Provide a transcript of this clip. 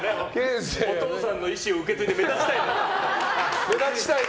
お父さんの意思を受け継いで目立ちたいのかな？